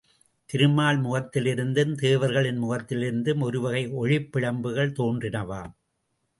திருமால் முகத்திலிருந்தும், தேவர்களின் முகத்திலிருந்தும் ஒருவகை ஒளிப்பிழம்புகள் தோன்றினவாம்.